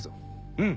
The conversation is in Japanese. うん。